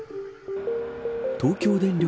東京電力